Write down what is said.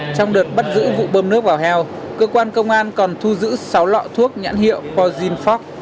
trong đợt bắt giữ vụ bơm nước vào heo cơ quan công an còn thu giữ sáu lọ thuốc nhãn hiệu pozynfax